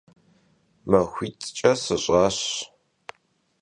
Maxuit'ç'e sış'aş.